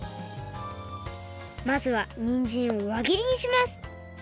まずはにんじんをわぎりにします